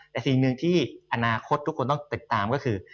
แต่สิ่งหนึ่งที่อนาคตทุกคนต้องติดตามก็คือ